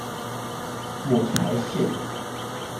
母柴氏。